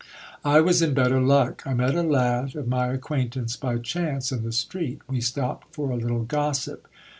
I was in better luck. I met a lad of my acquaintance by chance in the street, we stopped for a little gossip.